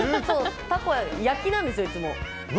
焼きなんですよ、いつも。